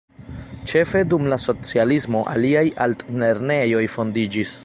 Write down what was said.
Ĉefe dum la socialismo aliaj altlernejoj fondiĝis.